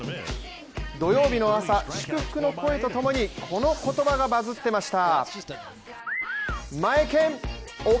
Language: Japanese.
土曜日の朝、祝福の声とともにこの言葉がバズってました。